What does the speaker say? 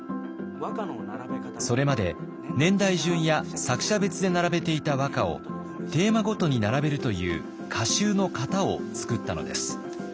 それまで年代順や作者別で並べていた和歌をテーマごとに並べるという歌集の型を創ったのです。